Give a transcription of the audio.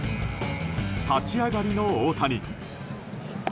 立ち上がりの大谷。